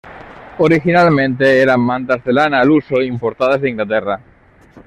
Originalmente eran mantas de lana al uso importadas de Inglaterra.